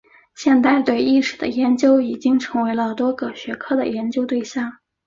现代对意识的研究已经成为了多个学科的研究对象。